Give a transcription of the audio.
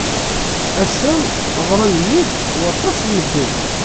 Ass-a ɣran-iyi-d waṭas n medden.